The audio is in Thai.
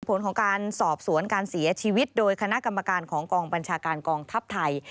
ผลของการสอบสวนการเสียชีวิตโดยคณะกรรมการของกองบัญชาการกองทัพไทย